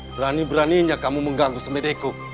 berani beraninya kamu mengganggu semetipun